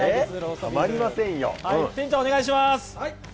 店長お願いします。